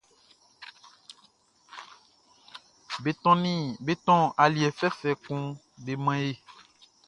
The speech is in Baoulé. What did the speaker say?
Be tɔn aliɛ fɛfɛ kun be man e.